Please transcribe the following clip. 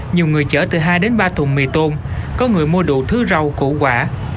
nhiều người chở từ hai đến ba thùng mì tôm có người mua đủ thứ rau củ quả